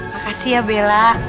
makasih ya bella